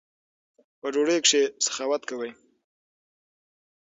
په ډوډۍ کښي سخاوت کوئ!